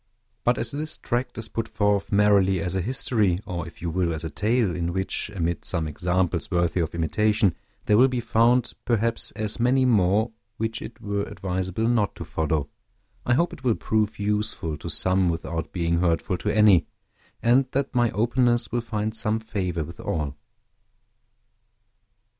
But as this tract is put forth merely as a history, or, if you will, as a tale, in which, amid some examples worthy of imitation, there will be found, perhaps, as many more which it were advisable not to follow, I hope it will prove useful to some without being hurtful to any, and that my openness will find some favor with all.